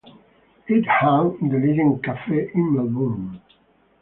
It hung in the Legend Cafe in Melbourne.